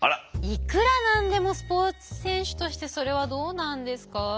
いくら何でもスポーツ選手としてそれはどうなんですか？